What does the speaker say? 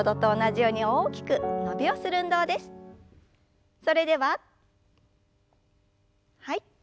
それでははい。